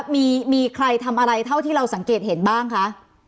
มีใครทำอะไรเท่าที่เราสังเกตเห็นบ้างคะ